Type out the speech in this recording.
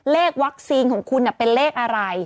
เลขวัคซีนของคุณเป็นเลขอะไร